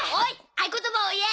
合言葉を言え！